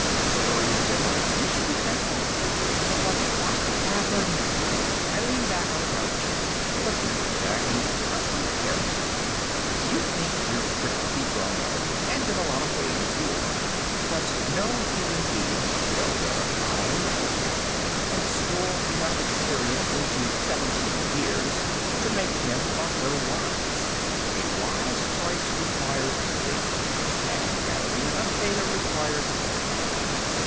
"Sure he's different. You should be thankful." "But what happened?" I leaned back on the couch. "Listen to me, Jack, and listen carefully. You think you're pretty grown up, and, in a lot of ways you are. But no human being, no matter how intelligent, can store enough experience into seventeen years to make him or her wise. A wise choice requires data, and gathering enough data requires time."